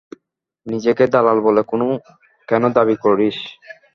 নিজেকে দালাল বলে কেন দাবি করিস?